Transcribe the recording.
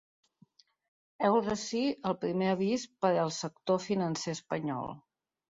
Heus ací el primer avís per al sector financer espanyol.